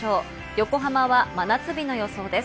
横浜は真夏日の予想です。